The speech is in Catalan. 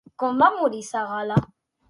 Com va morir Segalà?